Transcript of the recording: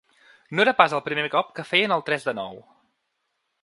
No era pas el primer cop que feien el tres de nou.